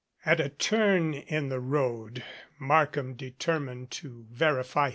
/, At a turn in the road Markham determined to verify